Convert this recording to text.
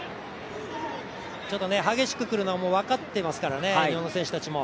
激しくくるのは分かっていますからね、日本の選手たちも。